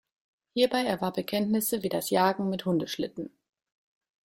Hierbei erwarb er Kenntnisse wie das Jagen mit Hundeschlitten.